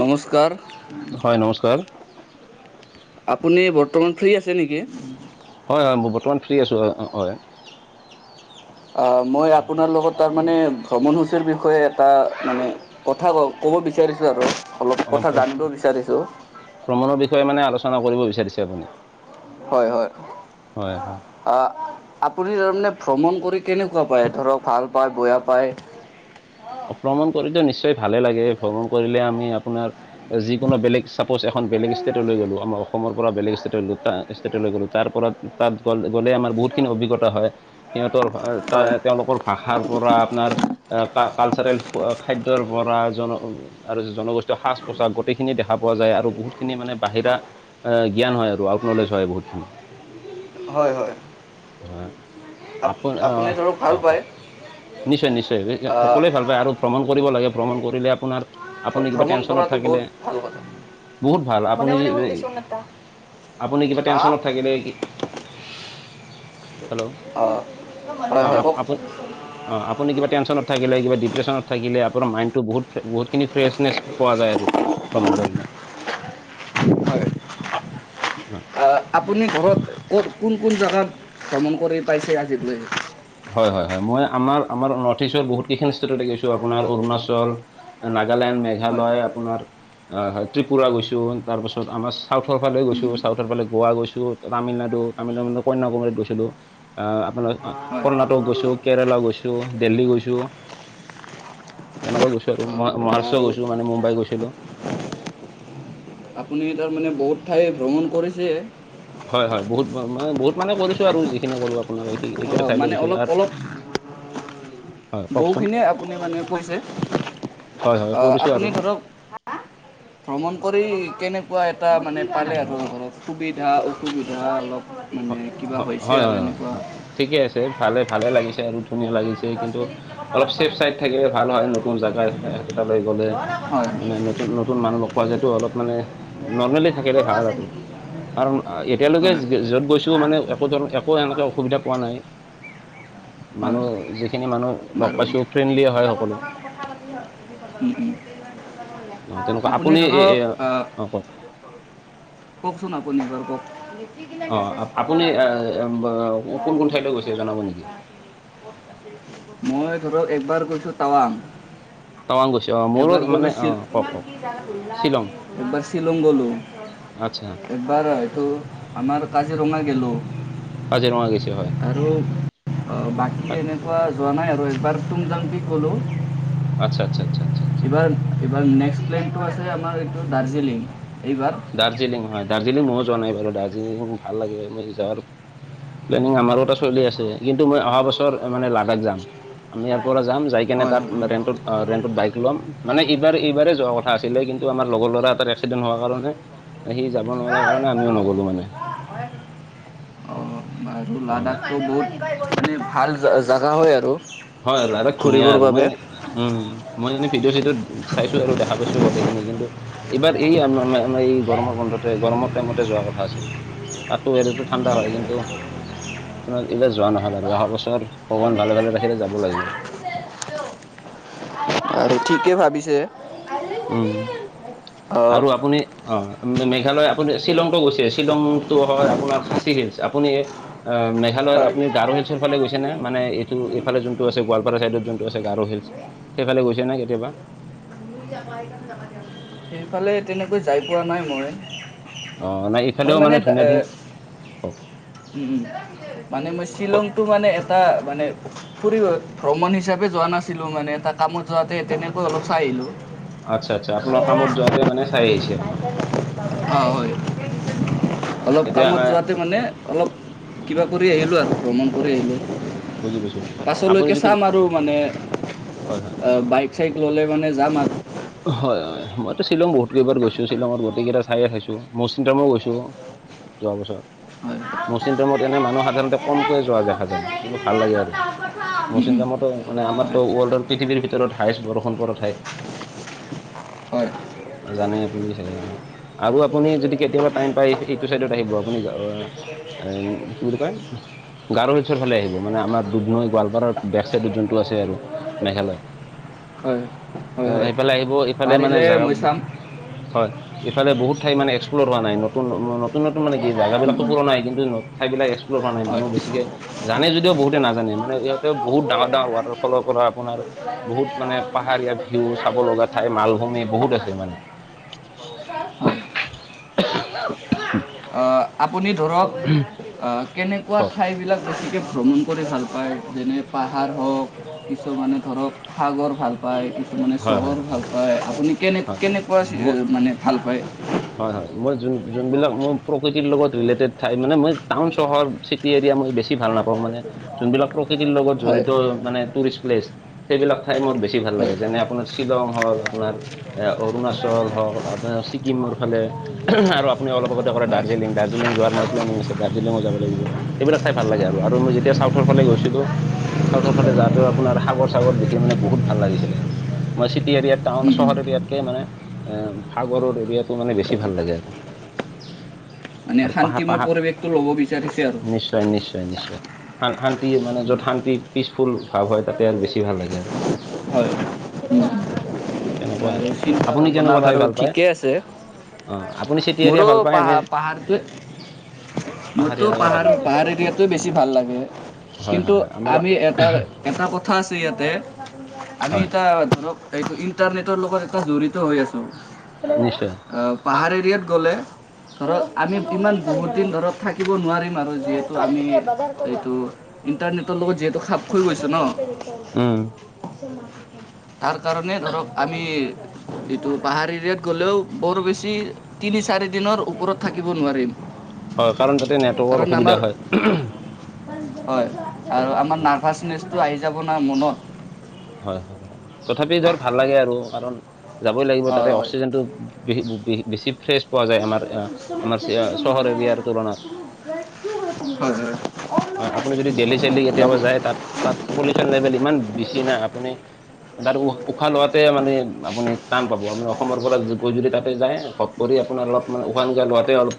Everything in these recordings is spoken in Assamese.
নমস্কাৰ। হয় নমস্কাৰ আপুনি বৰ্তমান ফ্ৰী আছে নেকি? হয়, হয়, মই বৰ্তমান ফ্ৰী আছোঁ, হয়। মই, আপোনাৰ লগত তাৰমানে ভ্ৰমণসূচীৰ, বিষয়ে এটা মানে কথা ক'ব বিচাৰিছোঁ আৰু। অলপ অঁ কথা, জানিব বিচাৰিছোঁ। ভ্ৰমণৰ বিষয়ে মানে, আলোচনা কৰিব বিচাৰিছে আপুনি। হয়, হয়। হয় হয় আপুনি তাৰমানে ভ্ৰমণ কৰি, কেনেকুৱা পায়? ধৰক ভাল পায়, বেয়া পায়। ভ্ৰমণ কৰিত নিশ্চয় ভালে লাগে, ভ্ৰমণ কৰিলে আমি আপোনাৰ যিকোনো বেলেগ চাপ'জ এখন বেলেগ ষ্টেটলৈ গ'লো, আমাৰ অসমৰ পৰা বেলেগ ষ্টেট, ষ্টেটলৈ গ'লো তাৰ পৰা তাত গ, গ'লে আমাৰ বহুতখিনি অভিজ্ঞতা হয়। সিহঁতৰ হয় তেওঁলোকৰ, ভাষাৰ পৰা আপোনাৰ ক, কালচাৰেল খাদ্যৰ পৰা, জন আৰু জনগোষ্ঠীয় সাজ পোছাক, গোটেইখিনি দেখা পোৱা যায় আৰু বহুতখিনি মানে বাহিৰা জ্ঞান হয় আৰু আউট নলেজ হয়, বহুতখিনি। হয়, হয়, হয় আপোন আপুনি আহ ধৰক, ভাল অ পায়। কওক নিশ্চয়, নিশ্চয়, সকলোৱে ভাল পায় আৰু ভ্ৰমণ কৰিব লাগে ভ্ৰমণ কৰিলে আপোনাৰ আপুনি কিবা ভ্ৰমণ টেনচনত কৰাটো বহুত থাকিলে, ভাল কথা বহুত ভাল মনে আপুনি মনে শুনি এ দিছো এটা আপুনি কিবা, হা টেনচনত থাকিলে ই হেল্ল, অঁ হয় অ, হয় কওক অ, আপুনি কিবা টেনশ্যনত থাকিলে কিবা, ডিপ্ৰেচনত থাকিলে, আপোনাৰ মাইণ্ডটো বহু, বহুত খিনি ফ্ৰেচনেছ পোৱা যায় আৰু। ভ্ৰমণ কৰিলে। হয়। উম, আপুনি ঘৰত ক'ত, কোন, কোন, জেগাত ভ্ৰমণ কৰি পাইছে আজিলৈ? হয়, হয়, হয়, মই আমাৰ আমাৰ নৰ্থ ইষ্টৰ বহুত কেইখন ষ্টেটত দেখিছোঁ, আপোনাৰ অৰুণাচল নাগালেণ্ড, হয় মেঘালয়, আপোনাৰ ত্ৰিপুৰা গৈছোঁ, তাৰপাছত আমাৰ চাউথৰ ফালে গৈছোঁ, উম, চাউথৰ ফালে গোৱা, গৈছোঁ। তামিলনাডু, তামিলনাডু কন্যাকুমাৰীত গৈছিলো, আহ আপোনালোক হয়। কৰ্ণাটক গৈছোঁ, কেৰেলা গৈছোঁ, দেল্লী গৈছোঁ। তেনেকৈ গৈছো আৰু অ', মহাৰাষ্ট্ৰ বাৰু গছো মানে, মুম্বাই গৈছিলো। আপুনি তাৰমানে, বহুত ঠাই ভ্ৰমণ কৰিছে। হয়, হয়, বহুত মই বহুত মানে কৰিছো আৰু যিখিনি ক'লো আপোনাৰ এইকেইটা অ', ঠাইলৈ মানে লৈ গৈছো অলপ আৰু অলপ হয় কওকচোন বহুখিনিয়ে আপুনি মানে কৈছে, হয় হয় কৰিছোঁ আপুনি আৰু ধৰক ভ্ৰমণ কৰি কেনেকুৱা এটা মানে, পালে আৰু ঘৰত সুবিধা, অসুবিধা অলপ। মানে হয়, কিবা হৈছে হয়, আৰু হয়, এনেকুৱা। হয়, ঠিকে আছে, ভালে-ভালে লাগিছে আৰু ধুনীয়া লাগিছে। দহ কিন্তু মিনিটকে কথা অলপ, ছেফ চাইড পাতবা থাকিলে ভাল হয়, নতুন জেগা এখোতালৈ, গ'লে লাগে। মানে হয়। নতুন, ন নতুন, মানুহ লগ পোৱা যটো অলপ মানে, নৰ্মেলি থাকিলে তোৰো ভাল আছে আৰু। নেকি? কাৰণ এতিয়ালৈকে হয়। য'ত গৈছো, মানে একো ধৰ, একো এনেকে অসুবিধা পোৱা নাই। হয়। মানুহ যিখিনি মানুহ লগ বাৰু পাইছোঁ, ফ্ৰেণ্ডলী হয় এতিয়া সকলো। বৰ্তমান কথা পাতি হয়। উম, উম, অ তেনেকুৱা আপুনি এ- ধৰক। এ, অ কওক কওকচোন, আপুনি নিৰ্ভৰ কওক। কিনে অ, মেছেজ কৰিব আপুনি লাগিব কোন কিমান কোন কি ঠাইলৈ কথা গৈছে, কি জনাব নেকি? ঘটনা কি মই ধৰক, এবাৰ গৈছোঁ তাৱাং। টাৱাং গৈছে অ মোৰো এবাৰ মানে ক'লো অ চিল কওক কওক শ্বিলং এবাৰ চিলং গ'লো। আচ্ছা। একবাৰ হয়তো আমি কাজিৰঙা গ'লোঁ। কাজিৰঙা গেছে হয়। আৰু অ', বাকী এনেকুৱা যোৱা নাই আৰু। এবাৰ টুংটাংকে গ'লোঁ। আচ্ছা আচ্ছা আচ্ছা আচ্ছা। এইবাৰ, এইবাৰ নেক্স প্লেনটো আছে আমাৰ, এইটো দাৰ্জিলিং এইবাৰ। দাৰ্জিলিং হয়, দাৰ্জিলিং। ময়ো যোৱা নাই বাৰু। দাৰ্জিলিং ভাল লাগে, মই যাবাৰ। প্লেনিং আমাৰো এটা চলি আছে, কিন্তু মই অহা বছৰ মানে লাডাখ যাম। আমি ইয়াৰ হয় পৰা যাম, যায় কেনে, হয় হয় তাত কি ক'ব ৰেণ্টত ৰেণ্টত বাইক লম। মানে, এইবাৰ এইবাৰেই যোৱা কথা আছিলে, কিন্তু আমাৰ লগৰ লৰা এটাৰ এক্সিডেণ্ট হোৱাৰ কাৰণে। সি যাব ঐ নোৱাৰা কাৰণে, সৰু আমিও নগলোঁ মানে। হয় অঁ অ লাডাখটো বহুত মানে ভাল জাগা জাগা হয় আৰু। হয়, ৰাধক ধুনীয়া, ঘূৰিবৰ আৰু বাবে মইয়ে মানে। উম, মই মানে ভিডিঅ' চিডিঅ' চাইছোঁ আৰু দেখা পাইছোঁ গোটেইখিনি, কিন্তু। এইবাৰ, আমাৰ এই গৰমৰ বন্ধতে, গৰমৰ টাইমতে যোৱা কথা আছিলে। তাতো [inaudible] ঠাণ্ডা হয়, কিন্তু। আপোনাৰ এইবাৰ যোৱা নহল আৰু অহা বছৰ ভগৱানে মামে ভালে ভালে ৰাখিনা ৰাখিলে যাব লাগিব। আৰু ঠিকেই ভাবিছে। আইলি উম, সেদিন অঁ আৰু আপুনি। অঁ, মেঘালয়। আপুনি শ্বিলংটো গৈছে? শ্বিলংটো হয় আপোনাৰ খাচী হিলছ, আপুনি? আহ, মেঘালয়ৰ হয়। আপুনি মুজি গাৰ আপোনাৰ হৈছিল। এইখন ইফালে যাবা গৈছে নে? দিবি মুজি মানে, এইটো এইফাল, যোনটো আছে গোৱালপাৰা চাইডত, যোনটো আছে গাৰো হিলছ। সেইফালে গৈছে নাই কেতিয়াবা। আপোনাৰ সেইফালে তেনেকৈ যাই পোৱা নাই মই। অ, নাই এইফালেও মানে ধুনীয়া ধুনীয়া অ। উম, উম, মানে, মই শ্বিলংটো মানে এটা মানে। ফুৰিব, ভ্ৰমণ হিচাপে যোৱা নাছিলোঁ মানে, তাৰ কামত যাওঁতেই তেনেকৈ অলপ চাই আহিলোঁ। আচ্ছা, আচ্ছা, আপোনাৰ কামত যোৱাতে মানে চাই আহিছে। আপুনি অ হয়, অ অলপ এতিয়া কামত আহ, যোৱাতে মানে। অলপ কিবা কৰি আহিলোঁ আৰু ভ্ৰমণ কৰি আহিলোঁ। বুজি পাইছো আপুনি পাছলৈকে যদি চাম আৰু মানে। হয় হয়। বাইক চাইক ল'লে মানে যাম আৰু। হয়, মইতো শ্বিলং বহুত কেইবাৰ গৈছোঁ। শ্বিলঙত গতিকেইটা চাই, খাইছোঁ, মৌচিন্তামো গৈছোঁ। যোৱা বছৰ। হয়। মচিন টাইমত এনে মানুহ সাধাৰণতে কমকৈয়ে যোৱা দেখা যায়, কিন্তু ভাল লাগে আৰু। উম, মৌচিন্দ্ৰামটো মানে উম। আমাৰটো ৱৰ্ল্ডৰ পৃথিৱীৰ ভিতৰত হায়েষ্ট বৰষুণ পৰা ঠাই। হয়। জানেই আপুনি চাগে আৰু ন আৰু আপুনি যদি কেতিয়াবা টাইম পায় এইটো চাইডত আহিব আপুনি আহ কি বুলি কয় গাৰু হিলছৰ ফালে আহিব মানে আমাৰ দুধনৈ গোৱালপাৰাৰ বেক চাইডত যোনটো আছে আৰু মেঘালয় হয় -হয়- হয় ইফালে আহিব ইফালে মানে পাৰিলে জাগা মই চাম হয় ইফালে বহুত ঠাই মানে এক্সপ্ল'ৰ হোৱা নাই নতুন নতুন নতুন মানে কি হয় জাগাবিলাক পোৰণা নাই কিন্তু ঠাই বিলাক একস্ বস্ত হোৱা নাই মানুহ বেছিকে জানে যদিও বহুতে নাজানে মানে ইহঁতে বহুত ডাঙৰ ডাঙৰ ৱাটাৰফলৰ পৰা আপোনাৰ বহুত মানে পাহাৰীয়া ভিউ চাব লগা ঠাই মালভূমি বহুত আছে মানে হয় আহ আপুনি ধৰক কেনেকুৱা হয় ঠাইবিলাক বেছিকৈ ভ্ৰমণ কৰি ভাল পায় যেনে পাহাৰ হওক কিছুমানে ধৰক সাগৰ ভাল পায় মানে হয় চহৰ হয় হয় ভাল পায় আপুনি কেনে হয় কেনেকুৱা মই মানে ভাল পায় হয় হয় মই যোন যোনবিলাক মোৰ প্ৰকৃতিৰ লগত ৰিলেটেড ঠাই মানে মই টাউন চহৰ টি এৰিয়া মই বেছি ভাল নাপাওঁ মানে যোনবিলাক প্ৰকৃতিৰ লগত হয় জড়িত মানে টুৰিষ্ট প্লেচ সেইবিলাক ঠাই মোৰ বেছি ভাল হয় লাগে যেনে আপোনাৰ শ্বিলং হ'ল আপোনাৰ এ অৰুণাচল হওক আপোনাৰ ছিকিমৰ ইফালে আৰু আপুনি অলপ আগতে ক'লে হয় দাৰ্জিলিং দাৰ্জিলিং যোৱাৰ মোৰ প্লেনিং আছে দাৰ্জিলিঙো যাব লাগিব এইবিলাক চাই ভাল লাগে আৰু আৰু মই যেতিয়া চাউথৰ ফালে গৈছিলো চাউথৰ ফালে যাওঁতে আপোনাৰ সাগৰ চাগৰ দেখি মানে বহুত ভাল লাগিছিল আৰু মই চিটি এৰিয়াত টাউন চহৰ এৰিয়াতকে মানে সাগৰৰ এৰিয়াত মোৰ মানে বেছি ভাল লাগে আৰু মানে আৰু শান্তিময় পৰিৱেশটো ল'ব বিচাৰিছে আৰু হয় নিশ্চয় নিশ্চয় শান শান্তি মানে য'ত শান্তি পিচফুল ভাৱ হয় তাতে আৰু বেছি ভাল লাগে আৰু হয় তেনেকুৱা বাৰু আৰু চিন্তা আপুনি ভাৱনা কেনেকুৱা ঠাই বাৰু ভাল পায় ঠিকেই আছে অ আপুনি চিটি এৰিয়া মোৰো ভাল পায় নে পাহাৰ পাহাৰটো মোৰতো পাহাৰীয়া জেগা ভাল পাহাৰ লাগে পাহাৰ এৰিয়াতো বেছি ভাল লাগে হয় কিন্তু হয় হয় আমাৰ আমি এটা এটা কথা আছে ইয়াতে আমি হয় এতিয়া ধৰক এইটো ইণ্টাৰনেটৰ লগত এটা জড়িত হৈ আছো নিশ্চয় অ পাহাৰ এৰিয়াত গ'লে ধৰক আমি ইমান বহুত দিন ধৰক থাকিব নোৱাৰিম আৰু যিহেতু আমি এইটো ইণ্টাৰনেটৰ লগত যিহেতু খাপ হৈ গৈছে ন উম তাৰ কাৰণে ধৰক আমি যিটো পাহাৰ এৰিয়াত গ'লেও বৰ বেছি তিনি চাৰি দিনৰ ওপৰত থাকিব নোৱাৰিম হয় কাৰণ তাতে নেটৱৰ্কৰ কাৰণ আমাৰ অসুবিধা হয় হয় আৰু আমাৰ অ' নাৰ্ভাচনেচটো আহি যাব না মনত হয় তথাপি ধৰ ভাল লাগে আৰু কাৰণ যাবই লাগিব হয় তাতে হয়। অক্সিজেন টো হ [unintelligible] বেছি ফ্ৰেছ পোৱা যায় আমাৰ আ আমাৰ ত চে যে আ চহৰ মজা আহ এৰিয়াৰ ন তুলনাত ব কি তম [unintelligible] হয় আপুনি যদি দেল্হি চাইলি কেতিয়াবা যায় তাত তাত পলিউচন লেভেল ইমান বেছি না পুনে তাত উ-উশাহ লোৱাতে মানে আপুনি টান পাব, আপুনি অসমৰ পৰা গৈ যদি তাতে যায় কৰি আপোনাৰ অলপ মানে উশাহ-নিশাহ লোৱাতে অলপ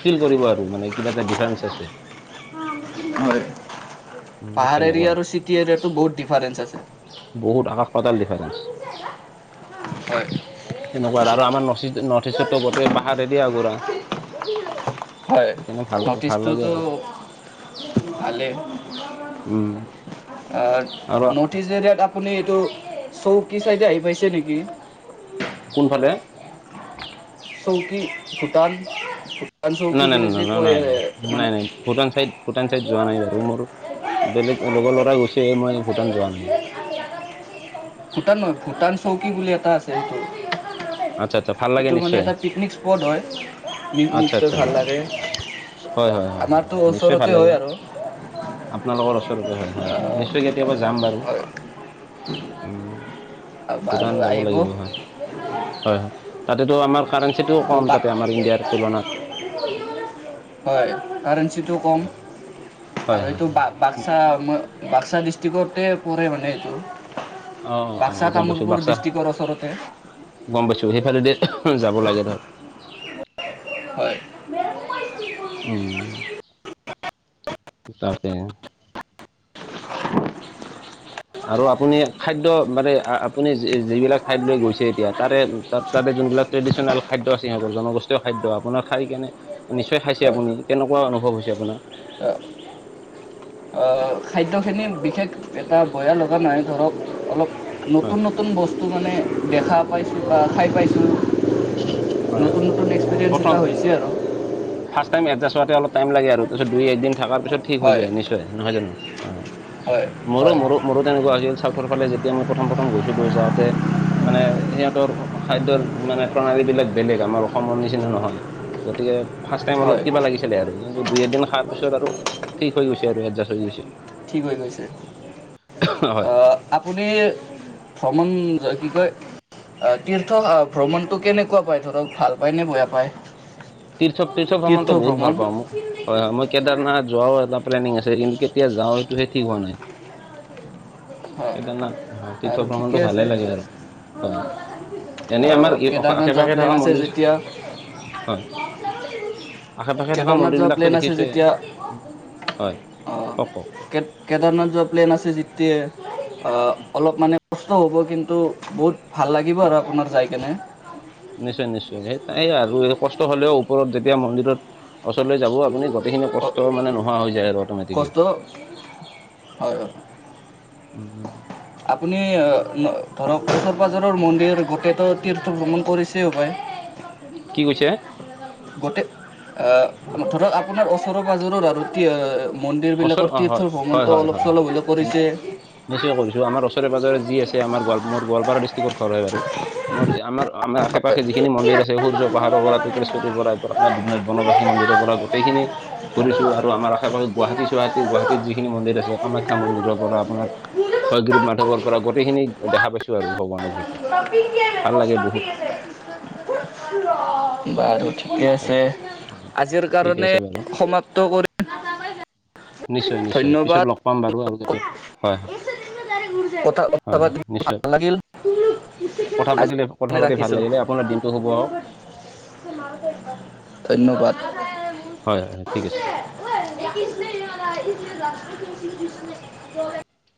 ফিল কৰিব আৰু মানে, কিবা এটা ডিফাৰেঞ্চ আছে। হয়। পাহাৰ এৰিয়া উম, আৰু চিটি তেনেকুৱা আৰু এৰিয়াটো বহুত ডিফাৰেন্ঞ্চ আছে। বহুত আকাশ-পাতাল ডিফাৰেঞ্চ। হয় তেনেকুৱা আৰু আমাৰ নচি হয় সেইকাৰণে ভাল ভাল লাগে টিছতুটো আৰু ভালে। উম আৰু নৰ্থ ইষ্ট এেৰিয়াত আপুনি এইটো, চৌকি চাইডে আহি পাইছে নেকি? কোনফালে? চৌকী, ভূটান। ভূটান চৌকী নাই, নাই, নাই, ন, বুলি যি ন, কয় নাই, মানে নাই, নাই, ভূটান চাইদ, ভূটান চাইড যোৱা নাই বাৰু। মোৰ বেলেগ, লগৰ ল'ৰা গৈছে, মই ভূটান যোৱা নাই। ভূটান নহয়, ভূটান চৌকী বুলি এটা আছে হেইটো। আটছা, আটছা। ভাল লাগে নিশ্চয়। এটা পিকনিক স্পট হয়, পিকনিক আচ্ছা গৈ আচ্ছা ভাল লাগে। হয় হয় হয় হয় আমাৰটো হয় নিশ্চয় ভাল ওচৰতে লাগিব হয় আৰু। আপোনালোকৰ ওচৰতে, হয়, হয়। আহ, নিশ্চয় কেতিয়াবা যাম বাৰু। হয় উম, ভূটান যাব লাগিব হয় [unintelligible] হয়, হয়। তাতেটো আমাৰ কাৰেঞ্চিটোও এইটো কম, বা- তাতে আমাৰ ইণ্ডিয়াৰ তুলনাত। হয়। কাৰাৰেঞ্চিটো কম হয় আৰু হয় এইটো হয় বাপ বাক্সা, বাক্সা ডিষ্ট্ৰিকতে পৰে মানে এইটো। অ, অ, অ। বাক্সা গম পাইছো। কামৰূপৰ বাক্সা ডিষ্ট্ৰিক্টৰ ওচৰতে গম পাইছো, সেইফালেদি যাব লাগে ধৰ। হয়। উম, তাকে। আৰু আপুনি খাদ্য, মানে আপুনি যিবিলাক ঠাইত লৈ গৈছে এতিয়া, তাৰে তাত, তাতে যোনবিলাক ট্ৰেডিচনেল খাদ্য আছে সিহঁতৰ, জনগোষ্ঠীয় খাদ্য, আপোনাৰ খাই কেনে নিশ্চয় খাইছে হয় আপুনি, কেনেকুৱা অনুভৱ হৈছে আপোনাৰ? অ, খাদ্যখিনি বিশেষ এটা বেয়া লগা নাই। ধৰক অলপ নতুন, নতুন হয় নতুন বস্তু মানে, দেখা পাইছোঁ বা খাই পাইছোঁ। হয়। নতুন নতুন এক্সপিৰিয়েঞ্চ এটা প্ৰথম হৈছে আৰু ফাৰ্ষ্ট টাইম এডজাষ্ট হোৱাতে অলপ টাইম লাগে আৰু তাৰ পাছত, দুই, একদিন থকাৰ পিছ ঠিক হৈ হয় যায়। নিশ্চয় নিশ্চয়, নহয় জানো? অ, হয় মোৰো, হয় মোৰো, মোৰো তেনেকুৱা হৈছিল। চাউথৰ ফালে যেতিয়া মই প্ৰথম, প্ৰথম গৈছিলোঁ, যাওঁতে মানে, সিহঁতৰ, খাদ্যয়ৰ মানে প্ৰণালী বিলাক বেলেগ, আমাৰ অসমৰ নিচিনা নহয়, গতিকে ফাৰ্ষ্ট টাইম হয় অলপ কিবা লাগি ছিলে আৰু কিন্তু, দুই, এদিন খোৱাৰ পিছত আৰু ঠিক হৈ গৈছে আৰু এডজাষ্ট হৈ গৈছে। ঠিক হৈ গৈছে। [unintelligible] আপুনি, [unintelligible] কি কয়? অ, তীৰ্থ ভ্ৰমণটো কেনেকুৱা পাই, ধৰক ভাল পায় নে, বেয়া পায়? তীৰ্থ, তীৰ্থ ভ্ৰমণটো বহুত ভাল পাওঁ মই। হয়, হয়। মই কেদাৰনাথ যোৱাও এটা প্লেনিং আছে, কিন্তু কেতিয়া যাওঁ সেইটো হে ঠিক হোৱা নাই। হয় কেদাৰনাথ, অ, তীৰ্থ আৰু ঠিকে ভ্ৰমণটো আছে ভালে লাগে আৰু। হয় এনেই আহ আমাৰ কেদাৰনাথ আশে যোৱা পাশে প্লেন থকা আছে মন্দিৰ যেতিয়া হয় আশে পাশে থকা কেদাৰনাথ যোৱা মন্দিৰবিলাকতো প্লেন আছে দেখিছোৱেই যেতিয়া হয় কওক কে কেদাৰনাথ যোৱা প্লেন আছে যেতিয়া অ অলপ মানে কষ্ট হ'ব কিন্তু বহুত ভাল লাগিব আৰু আপোনাৰ যাই কেনে নিশ্চয় নিশ্চয় সেই তাই আৰু কষ্ট হলেও ওপৰত যেতিয়া মন্দিৰত ওচৰলৈ যাবও আপুনি গোটেইখিনি কষ্ট মানে নোহোৱা হৈ যায় আৰু অট'মেটিকেলি কষ্ট হয় হয় উম হুম আপুনি ধৰক ওচৰ পাজৰৰ মন্দিৰ গোটেইটো তীৰ্থ ভ্ৰমণ কৰিছেই পায় কি কৈছে গোটেই আহ ধৰক আপোনাৰ ওচৰৰ পাজৰৰ আৰু তি ওচৰ মন্দিৰবিলাকৰ অ হয় তীৰ্থ হয় ভ্ৰমণটো হয় অলপ হয় হয় চলপ হ'লে নি- কৰিছে নিশ্চয় কৰিছোঁ আমাৰ ওচৰে পজৰে যি আমাৰ গোৱাম গোৱলপাৰা ডিষ্ট্ৰিক্টৰ ঘৰ হয় বাৰু মোৰ আমাৰ আমাৰ আশে পাশে যিখিনি মন্দিৰ আছে সূৰ্য পাহাৰৰ পৰা তোক্বৰ পৰা আাৰ বনবাসী মন্দিৰৰ পৰা গোটেইখিনি ফুৰিছোঁ আৰু আমাৰ আশে পাশে গুৱাহাটীুৱাহাটী গুৱাহাটত যিখিনি মন্দিৰ আছে কামাখ্যা মন্দিৰৰ পৰা আপোনাৰ হয় গৰীব মাধ্ধৱৰ পৰা বাৰু গোটেইখিনি দেখা পাইছো আৰু ভগৱানৰ কৃপাত বাৰু থিকে ভাল লাগে বহুত আছে তেনেকুৱা হয় আজিৰ ঠিক কাৰণে আছে বাৰু সমাপ্ত কৰি নিশ্চয় নিশ্চয় পিছত ধন্যবাদ লগ পাম বাৰু আৰু কেতিয়াবা হয় হয় কথা কথা হয় হয় পাতি ভাল নিশ্চয় লাগিল কথা আজি পাতিলে কথা পাতি ভাল ৰাখিছোঁ লাগিলে আপোনাৰ দিনটো শুভ হওক ধন্যবাদ হয় ঠিক আছে [unintelligible]